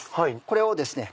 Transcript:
これをですね